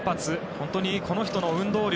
本当にこの人の運動量。